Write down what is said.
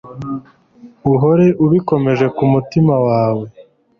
Uhore ubikomeje ku mutima wawe